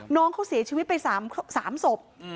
น้องเขาเสียชีวิตไป๓ศพ